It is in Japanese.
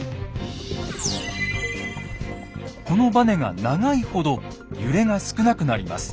このバネが長いほど揺れが少なくなります。